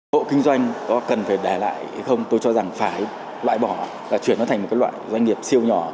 hộ kinh doanh có cần phải đẻ lại hay không tôi cho rằng phải loại bỏ và chuyển nó thành một loại doanh nghiệp siêu nhỏ